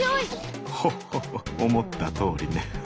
ホッホッホ思ったとおりね。